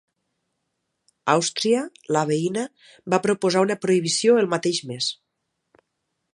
Àustria, la veïna, va proposar una prohibició el mateix mes.